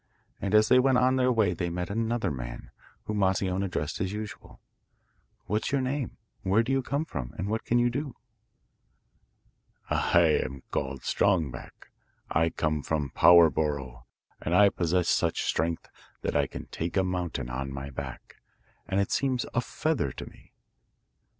And as they went on their way they met another man, whom Moscione addressed as usual: 'What's your name: where do you come from, and what can you do?' 'I am called Strong Back; I come from Power borough, and I possess such strength that I can take a mountain on my back, and it seems a feather to me.